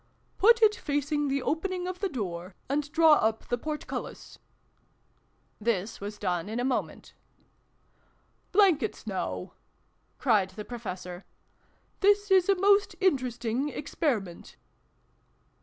" Put it facing the opening of the door, and draw up the portcullis !" This was done in a moment. xxiv] THE BEGGAR'S RETURN. 391 " Blankets now !" cried the Professor. " This is a most interesting Experiment